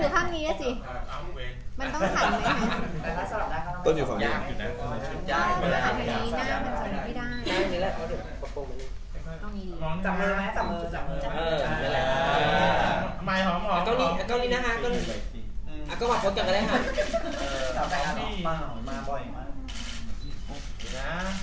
ใหม่ไม่เห็นแหวนใหม่ก็ไม่เห็น